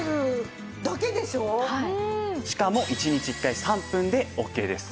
しかも１日１回３分でオーケーです。